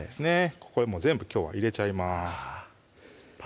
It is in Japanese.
ここで全部きょうは入れちゃいますあ